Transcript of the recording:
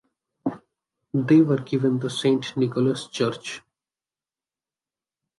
They were given the Saint-Nicholas church.